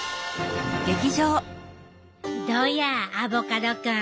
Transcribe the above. どやアボカドくん。